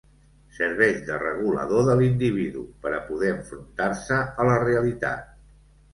Serveix de regulador de l'individu per a poder enfrontar-se a la realitat.